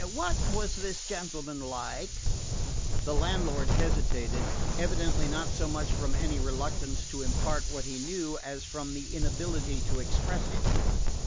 What was this gentleman like?" The landlord hesitated, evidently not so much from any reluctance to impart what he knew as from the inability to express it.